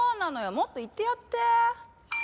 もっと言ってやって。